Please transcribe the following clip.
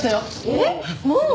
えっもう！？